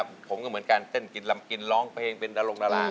ผมก็เหมือนกันเต้นกินลำกินร้องเพลงเป็นดารงดารา